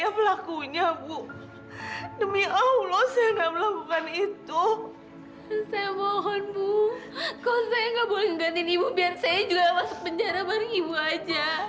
kau boleh ngegantiin ibu biar saya juga masuk penjara bareng ibu aja